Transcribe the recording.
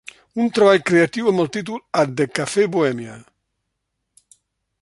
Un treball creatiu amb el títol "At the Cafe Bohemia"